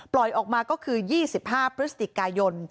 ปล่อยออกมาก็คือ๒๕พฤศจิกย์กายน